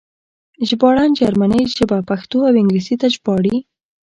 ژباړن جرمنۍ ژبه پښتو او انګلیسي ته ژباړي